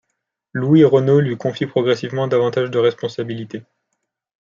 Louis Renault lui confie progressivement davantage de responsabilités.